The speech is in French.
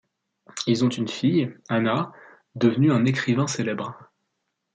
Ils ont une fille, Anna, devenue un écrivain célèbre.